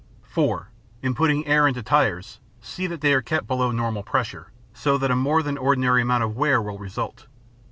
(4) In putting air into tires, see that they are kept below normal pressure, so that more than an ordinary amount of wear will result.